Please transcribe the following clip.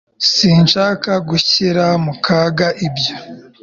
sinshaka gushyira mu kaga ibyo